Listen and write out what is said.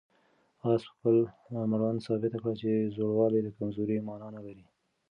آس په خپل مړوند ثابته کړه چې زوړوالی د کمزورۍ مانا نه لري.